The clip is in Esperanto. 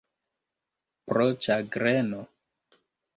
Pro ĉagreno?